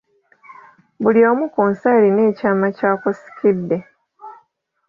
Buli omu ku nsi alina ekyama ky'akusikidde.